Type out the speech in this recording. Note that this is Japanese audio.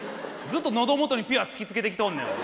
ずっと喉元にピュア突きつけてきとんねん。